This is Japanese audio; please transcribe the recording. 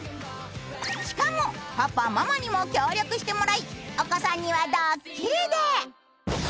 しかもパパママにも協力してもらいお子さんにはドッキリで。